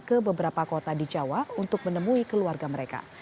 ke beberapa kota di jawa untuk menemui keluarga mereka